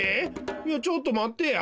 いやちょっとまってや。